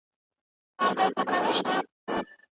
هغوی په خپلو پرېکړو کي بې مطالعې وو.